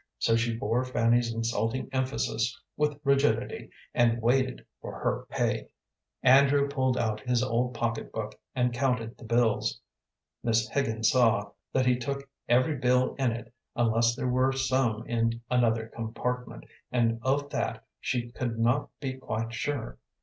So she bore Fanny's insulting emphasis with rigidity, and waited for her pay. Andrew pulled out his old pocket book, and counted the bills. Miss Higgins saw that he took every bill in it, unless there were some in another compartment, and of that she could not be quite sure.